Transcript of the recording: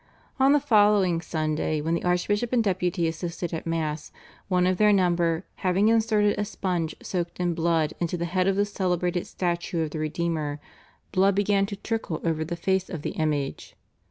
On the following Sunday when the Archbishop and Deputy assisted at Mass, one of their number having inserted a sponge soaked in blood into the head of the celebrated statue of the Redeemer, blood began to trickle over the face of the image.